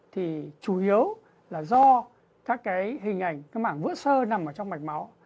thì chủ yếu là do các cái hình ảnh các mảng vữa sơ nằm trong mạch máu